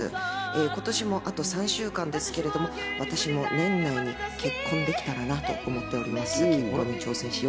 今年もあと３週間ですけど、私も年内に結婚できたらなと思っております。